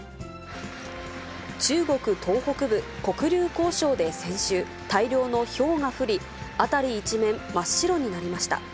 中国東北部、黒竜江省で先週、大量のひょうが降り、辺り一面、真っ白になりました。